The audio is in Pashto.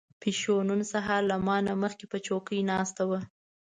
پيشو نن سهار له ما نه مخکې په چوکۍ ناسته وه.